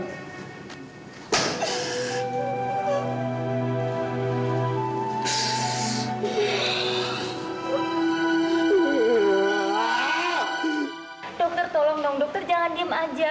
dokter tolong dong dokter jangan diem aja